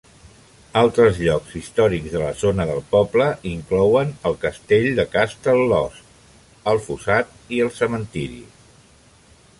Altres llocs històrics de la zona del poble inclouen el castell de Castlelost, el fossat i el cementiri.